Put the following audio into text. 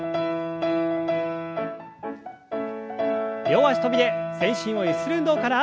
両脚跳びで全身をゆする運動から。